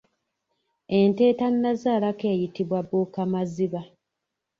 Ente etannazaalako eyitibwa Bbuukamaziba.